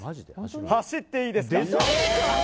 走っていいですか。